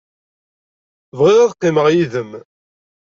Bɣiɣ ad qqimeɣ yid-m.